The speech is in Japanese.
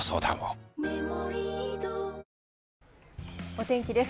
お天気です。